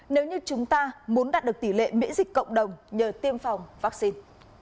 nếu như chúng ta muốn đạt được tỷ lệ miễn dịch cộng đồng nhờ tiêm phòng vắc xin